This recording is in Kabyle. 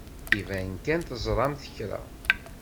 Iban kan teẓramt kra.